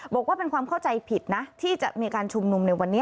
บอกว่าเป็นความเข้าใจผิดนะที่จะมีการชุมนุมในวันนี้